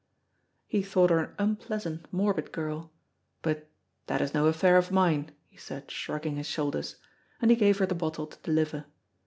He thought her an unpleasant, morbid girl, but "that is no affair of mine," he said shrugging his shoulders, and he gave her the bottle to deliver.